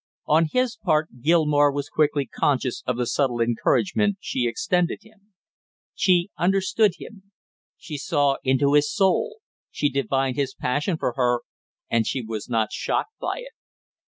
On his part Gilmore was quickly conscious of the subtle encouragement she extended him. She understood him, she saw into his soul, she divined his passion for her and she was not shocked by it.